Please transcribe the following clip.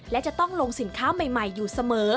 และจะต้องลงสินค้าใหม่อยู่เสมอ